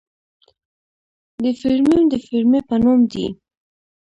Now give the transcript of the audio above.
د فیرمیم د فیرمي په نوم دی.